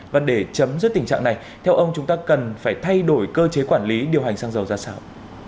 và để chấm dứt tình trạng này theo ông chúng ta cần phải thay đổi cơ chế quản lý điều hành xăng dầu ra sao